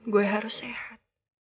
gue harus sehat